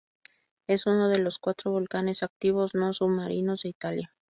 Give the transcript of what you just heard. Es uno de los cuatro volcanes activos no submarinos de Italia.